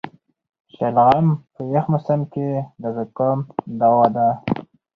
شلغم په یخ موسم کې د زکام دوا ده.